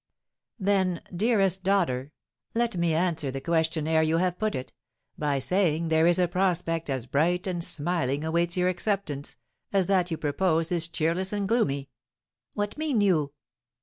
"Then, dearest daughter, let me answer the question ere you have put it, by saying there is a prospect as bright and smiling awaits your acceptance, as that you propose is cheerless and gloomy." "What mean you?"